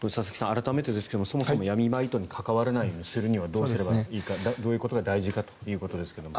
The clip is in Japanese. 改めてですがそもそも闇バイトに関わらないようにするにはどうすればいいかどういうことが大事かということですが。